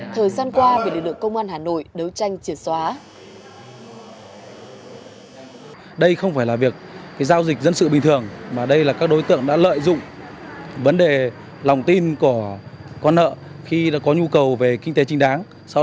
thời gian qua vì lực lượng công an hà nội đấu tranh chiến đấu